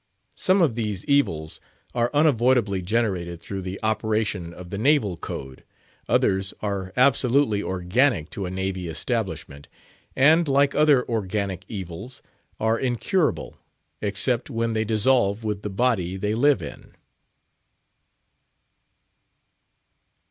Some of these evils are unavoidably generated through the operation of the Naval code; others are absolutely organic to a Navy establishment, and, like other organic evils, are incurable, except when they dissolve with the body they live in.